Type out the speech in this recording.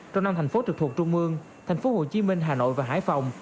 trong năm thành phố trực thuộc trung mương tp hcm hà nội và hải phòng